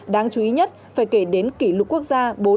đáng chú ý nhất phải kể đến kỷ lục quốc gia bốn